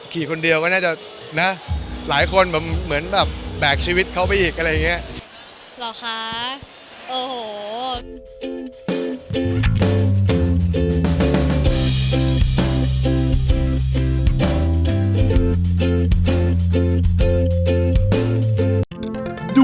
คนเดียวก็น่าจะนะหลายคนแบบเหมือนแบบแบกชีวิตเขาไปอีกอะไรอย่างนี้